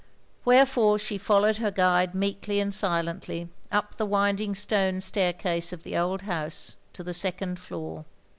Wherefore she followed her guide meekly and silently, up the winding stone staircase of the old house, to the second floor.